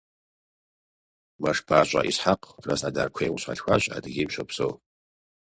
МэшбащӀэ Исхьэкъ Краснодар куейм къыщалъхуащ, Адыгейм щопсэу.